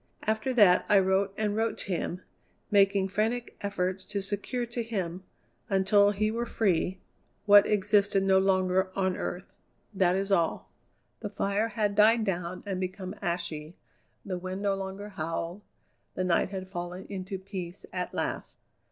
After that I wrote and wrote to him, making frantic efforts to secure to him, until he were free, what existed no longer on earth! That is all." The fire had died down and become ashy; the wind no longer howled; the night had fallen into peace at last.